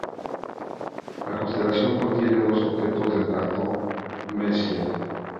La constelación contiene dos objetos del catálogo Messier.